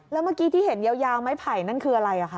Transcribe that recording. แล้วเมื่อกี้ที่เห็นยาวไม้ไผ่นั่นคืออะไรคะ